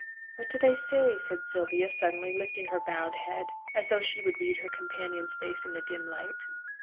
'What do they say?' said Sylvia, suddenly, lifting her bowed head, as though she would read her companion's face in the dim light.